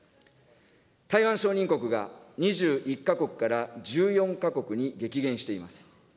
台湾承認国が２１か国から１４か国に激減しています。